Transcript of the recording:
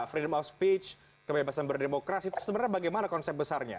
freedom of speech kebebasan berdemokrasi itu sebenarnya bagaimana konsep besarnya